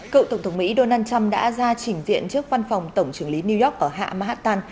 cựu tổng thống mỹ donald trump đã ra trình diện trước văn phòng tổng trưởng lý new york ở hạ mahatan